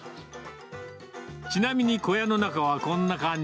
ちなみに小屋の中はこんな感じ。